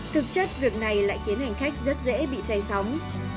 thực chất việc này lại khiến hành khách rất dễ bị say sóng